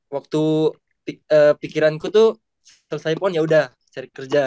waktu pikiranku tuh selesai pon yaudah cari kerja